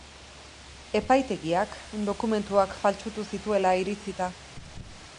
Epaitegiak, dokumentuak faltsutu zituela iritzita.